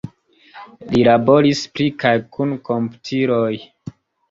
Li laboris pri kaj kun komputiloj.